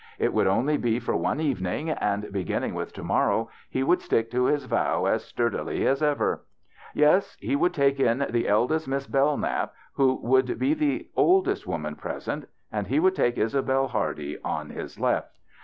It would only be for one evening, and begin ning with to morrow he would stick to his vow as sturdily as ever. Yes, he would take THE BACHELOR'S CHRISTMAS 43 in the eldest Miss Bellknap, who would be the oldest woman present, and he would put Isa belle Hardy on his left.